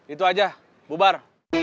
itu aja bubar